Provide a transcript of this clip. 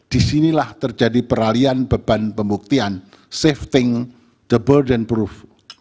di sinilah terjadi peralian beban pembuktian safety the burden proof